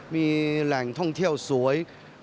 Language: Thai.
มีแหล่งท่องเที่ยวสวย